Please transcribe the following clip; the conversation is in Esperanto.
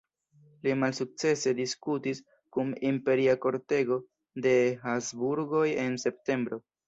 Li malsukcese diskutis kun Imperia Kortego de Habsburgoj en septembro.